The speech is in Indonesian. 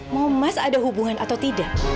mau mas ada hubungan atau tidak